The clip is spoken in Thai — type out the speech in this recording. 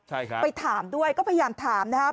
ใช่ครับไปถามด้วยก็พยายามถามนะครับ